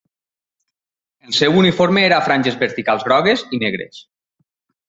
El seu uniforme era a franges verticals grogues i negres.